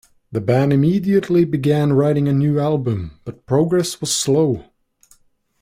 The band immediately began writing a new album, but progress was slow.